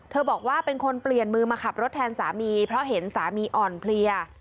บอกว่าเป็นคนเปลี่ยนมือมาขับรถแทนสามีเพราะเห็นสามีอ่อนเพลีย